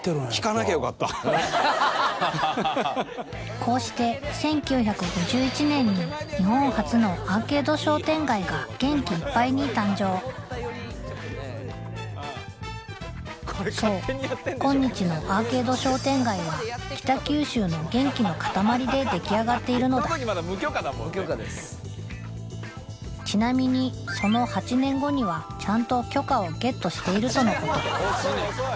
こうして１９５１年に日本初のアーケード商店街が元気いっぱいに誕生そうこんにちのアーケード商店街は北九州の元気の塊で出来上がっているのだちなみにその８年後にはちゃんと許可をゲットしているとのこと